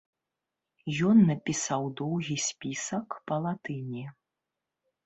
Ён напісаў доўгі спісак па-латыні.